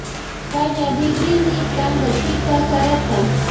Kallarikrini tantachita sarata.